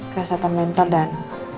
kesehatan mental dan